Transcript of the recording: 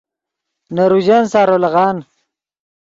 نے روژن سارو لیغان